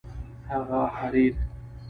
هغه حریر